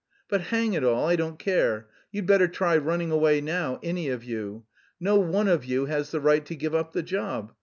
But, hang it all, I don't care! You'd better try running away now, any of you! No one of you has the right to give up the job!